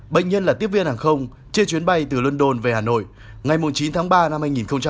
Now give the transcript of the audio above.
bệnh nhân là tiếp viên hàng không trên chuyến bay từ london về hà nội ngày chín tháng ba năm hai nghìn hai mươi